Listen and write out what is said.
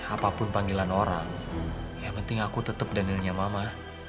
apapun panggilan orang yang penting aku tetap danielnya mama